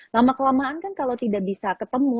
lama kelamaan kan kalau tidak bisa ketemu